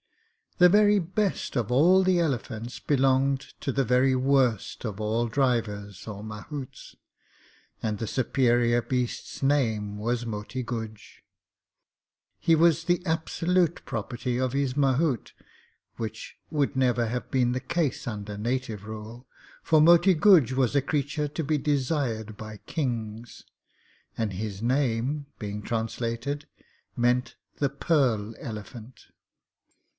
The very best of all the elephants belonged to the very worst of all the drivers or mahouts; and the superior beast's name was Moti Guj. He was the absolute property of his mahout, which would never have been the case under native rule, for Moti Guj was a creature to be desired by kings; and his name, being translated, meant the Pearl Elephant.